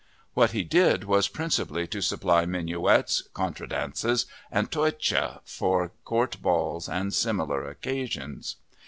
What he did was principally to supply minuets, contradances, and Teutsche for court balls and similar occasions.